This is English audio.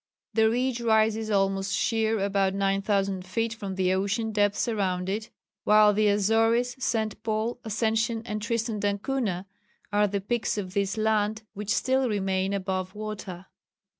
The ridge rises almost sheer about 9,000 feet from the ocean depths around it, while the Azores, St. Paul, Ascension, and Tristan d'Acunha are the peaks of this land which still remain above water.